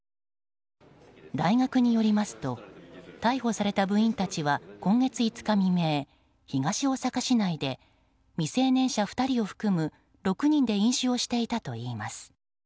大学によりますと逮捕された部員たちは今月５日未明、東大阪市内で未成年者２人を含む６人で飲酒をしていたといいます。